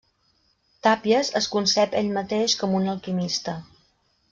Tàpies es concep ell mateix com un alquimista.